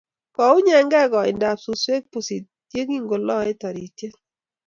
Kounyege koindap suswek pusit yekingoloe taritiet.